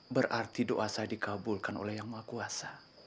berarti doa saya dikabulkan oleh yang menguasa